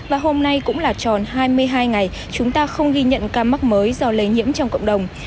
và hôm nay cũng là tròn hai mươi hai ngày chúng ta không ghi nhận ca mắc mới do lây nhiễm trong cộng đồng